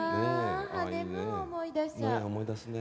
ねえ思い出すね。